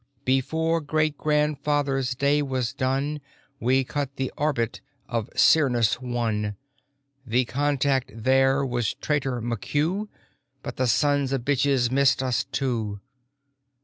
Before great grandfather's day was done We cut the orbit of Cyrnus One. The contact there was Trader McCue, But the sons o' bitches missed us too.